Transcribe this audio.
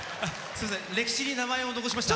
歴史に名前を残しました。